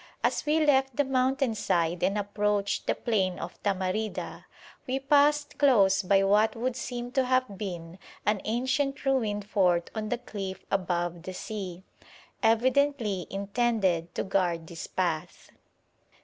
As we left the mountain side and approached the plain of Tamarida, we passed close by what would seem to have been an ancient ruined fort on the cliff above the sea, evidently intended to guard this path.